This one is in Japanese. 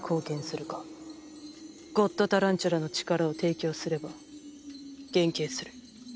ゴッドタランチュラの力を提供すれば減刑する。